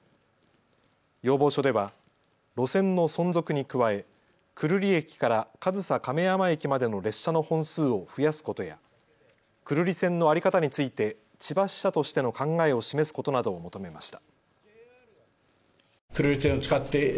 要望書では路線の存続に加え久留里駅から上総亀山駅までの列車の本数を増やすことや久留里線の在り方について千葉支社としての考えを示すことなどを求めました。